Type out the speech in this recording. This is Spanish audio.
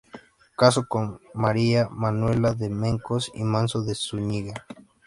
Casó con María Manuela de Mencos y Manso de Zúñiga.